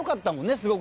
すごくね。